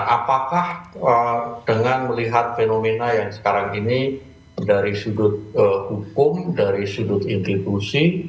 apakah dengan melihat fenomena yang sekarang ini dari sudut hukum dari sudut institusi